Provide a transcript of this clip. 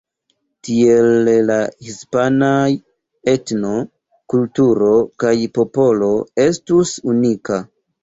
Tiele la hispanaj etno, kulturo kaj popolo estus unika.